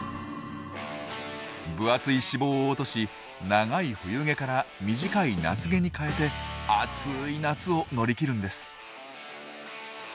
分厚い脂肪を落とし長い冬毛から短い夏毛に換えて暑い夏を乗り切るんです。